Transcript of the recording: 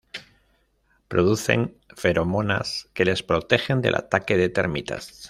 Producen feromonas que les protegen del ataque de termitas.